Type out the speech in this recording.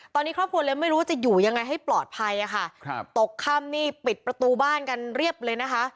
ตอนนี้ครอบครัวเลยไม่รู้ว่าจะอยู่ยังไงให้ปลอดภัยค่ะครับตกค่ำนี่ปิดประตูบ้านกันเรียบเลยนะคะ